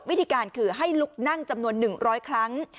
วิธีการคือให้ลุกนั่งจำนวน๑๐๐ครั้ง